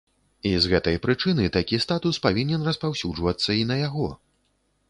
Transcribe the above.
І з гэтай прычыны такі статус павінен распаўсюджвацца і на яго.